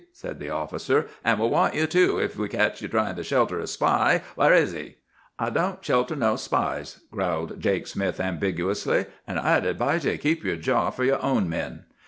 said the officer. 'And we'll want you, too, if we catch you trying to shelter a spy! Where is he?' "'I don't shelter no spies,' growled Jake Smith ambiguously; 'and I'd advise you to keep your jaw for your own men!"